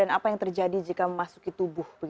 apa yang terjadi jika memasuki tubuh